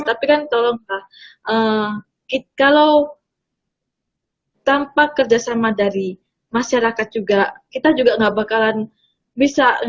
tapi kan tolong kalau tanpa kerjasama dari masyarakat juga kita juga nggak bakalan bisa